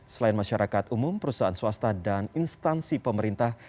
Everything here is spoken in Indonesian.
selain masyarakat umum perusahaan swasta dan instansi pemerintah